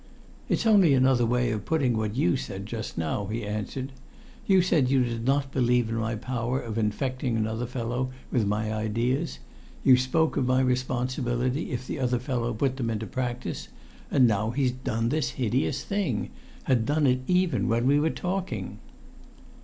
"It's only another way of putting what you said just now," he answered. "You said you did believe in my power of infecting another fellow with my ideas; you spoke of my responsibility if the other fellow put them into practice; and now he's done this hideous thing, had done it even when we were talking!"